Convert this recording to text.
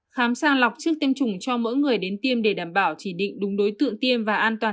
khám sàng lọc trước tiêm chủng cho mỗi người đến tiêm để đảm bảo chỉ định đúng đối tượng tiêm và an toàn